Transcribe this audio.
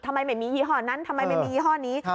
ทำไมไม่มียี่ห้อนั้นทำไมไม่มียี่ห้อนี้